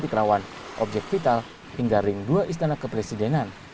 di kerawan objek vital hingga ring dua istana kepresidenan